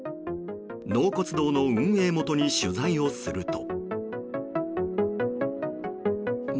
納骨堂の運営元に取材をすると。